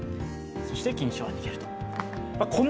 そして金将は逃げると。